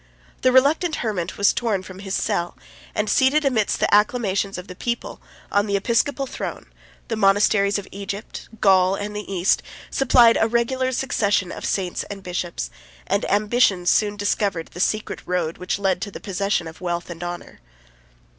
The reluctant hermit was torn from his cell, and seated, amidst the acclamations of the people, on the episcopal throne: the monasteries of Egypt, of Gaul, and of the East, supplied a regular succession of saints and bishops; and ambition soon discovered the secret road which led to the possession of wealth and honors.